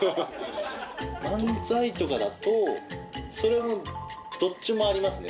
漫才とかだとそれはどっちもありますね。